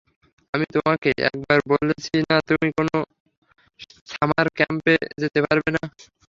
আমি তোমাকে একবার বলেছি না তুমি কোন সামার ক্যাম্পে যেতে পারবে না?